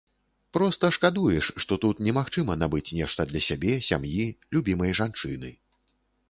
Проста шкадуеш, што тут немагчыма набыць нешта для сябе, сям'і, любімай жанчыны.